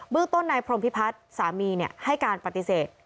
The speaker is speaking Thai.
เรื่องต้นนายพรมพิพัฒน์สามีให้การปฏิเสธ